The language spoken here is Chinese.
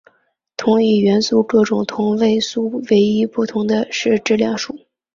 同一元素各种同位素唯一不同的是质量数。